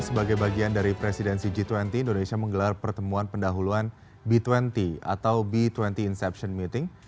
sebagai bagian dari presidensi g dua puluh indonesia menggelar pertemuan pendahuluan b dua puluh atau b dua puluh inception meeting